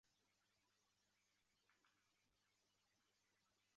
阿敏的六弟是济尔哈朗。